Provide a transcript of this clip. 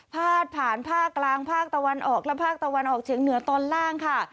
พาดผ่านภาคกลางภาคตะวันออกและภาคตะวันออกเฉียงเหนือตอนล่างค่ะ